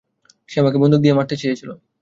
সে আমাকে বন্দুক দিয়ে মারতে চেয়েছিল।